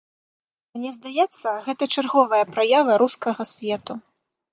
Мне здаецца, гэта чарговая праява рускага свету.